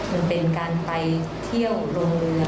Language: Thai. มันเป็นการไปเที่ยวโรงเรือ